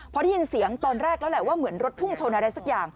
เพราะให้เห็นเสียงตอนแรกว่าเหมือนรถพุ่งชนอะไรสักอย่าง